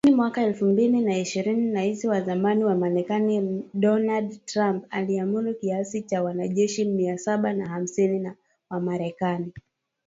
Lakini mwaka elfu mbili na ishirini Rais wa zamani wa Marekani Donald Trump aliamuru kiasi cha wanajeshi mia saba na hamsini wa Marekani